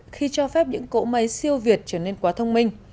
khi cho phép những cỗ máy siêu việt trở nên quá thông minh